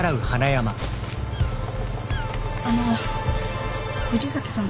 あの藤崎さん